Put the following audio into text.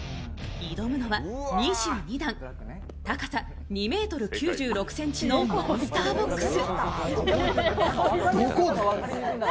挑むのは２２段、高さ２ｍ９６ｃｍのモンスターボックス。